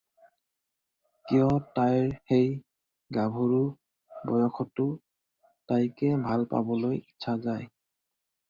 কিয় তাইৰ সেই গাভৰু বয়সতো তাইকে ভাল পাবলৈ ইচ্ছা যায়।